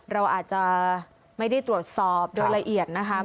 เราอาจจะไม่ได้ตรวจสอบโดยละเอียดนะคะ